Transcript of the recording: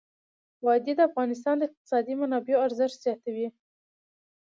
وادي د افغانستان د اقتصادي منابعو ارزښت زیاتوي.